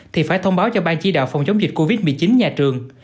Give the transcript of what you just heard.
thì phải thông báo cho ban chỉ đạo phòng chống dịch covid một mươi chín nhà trường